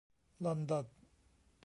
ลอนดอน